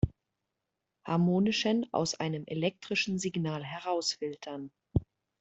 Harmonischen aus einem elektrischen Signal herausfiltern.